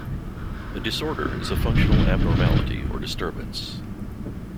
A disorder is a functional abnormality or disturbance.